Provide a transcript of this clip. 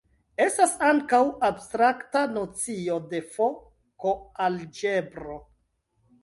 Estas ankaŭ abstrakta nocio de F-koalĝebro.